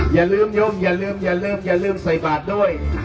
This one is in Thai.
อย่าลืมย่มอย่าลืมอย่าลืมใส่บาดด้วย